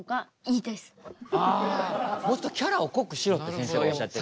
あもっとキャラを濃くしろってせんせいはおっしゃってる。